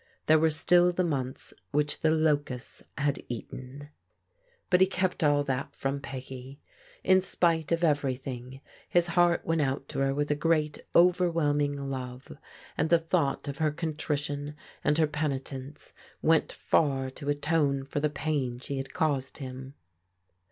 There were still the months which the locusts had eaten. But he kept all that from Peggy. In spite of every thing his heart went out to her with a great overwhelm ing love, and the thought of her contrition and her peni tence went far to atone for the pain she had caused him.